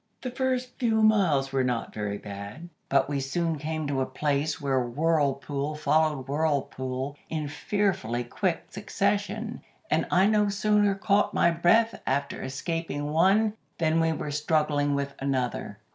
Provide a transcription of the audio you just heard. "The first few miles were not very bad, but we soon came to a place where whirlpool followed whirlpool in fearfully quick succession, and I no sooner caught my breath after escaping one than we were struggling with another.